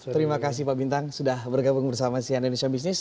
terima kasih pak bintang sudah bergabung bersama si anelisya bisnis